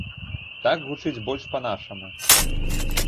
Так гучыць больш па-нашаму.